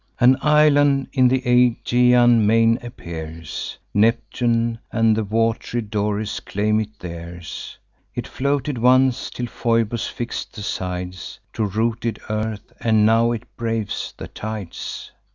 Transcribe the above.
"An island in th' Aegaean main appears; Neptune and wat'ry Doris claim it theirs. It floated once, till Phoebus fix'd the sides To rooted earth, and now it braves the tides.